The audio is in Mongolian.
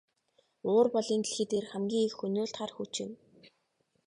Уур бол энэ дэлхий дээрх хамгийн их хөнөөлт хар хүч юм.